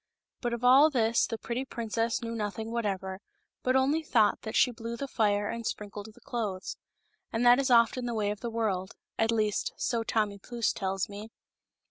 But of all this the pretty princess knew nothing whatever, but only thought that she blew the fire and sprinkled the clothes. And that is often the way of the world — at least, so Tommy Pfouce tells me.